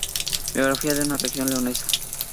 Biografía de una región leonesa".